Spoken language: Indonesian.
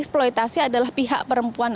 eksploitasi adalah pihak perempuan